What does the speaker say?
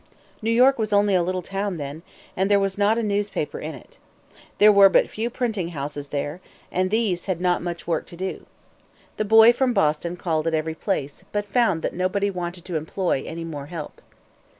New York was only a little town then, and there was not a newspaper in it. There were but a few printing houses there, and these had not much work to do. The boy from Boston called at every place, but he found that nobody wanted to employ any more help.